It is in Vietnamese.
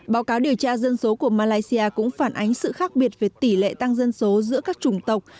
báo cáo điều tra dân số của malaysia cũng phản ánh sự khác biệt về tỷ lệ tăng dân số giữa các trùng tộc